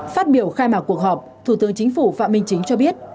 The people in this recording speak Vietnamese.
phát biểu khai mạc cuộc họp thủ tướng chính phủ phạm minh chính cho biết